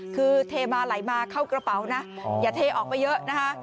คือเทมาไหลมาเข้ากระเป๋านะอย่าเทออกไปเยอะนะคะ